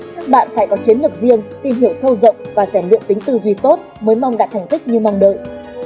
các bạn phải có chiến lược riêng tìm hiểu sâu rộng và rèn luyện tính tư duy tốt mới mong đạt thành tích như mong đợi